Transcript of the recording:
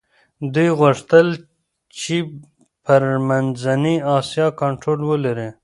دوی غوښتل چي پر منځنۍ اسیا کنټرول ولري.